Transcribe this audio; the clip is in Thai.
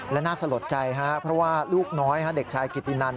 และน่าสะลดใจว่าลูกน้อยเด็กชายกิตีนนาน